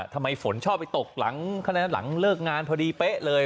ทำไมฝนชอบไปตกหลังหลังเลิกงานพอดีเป๊ะเลย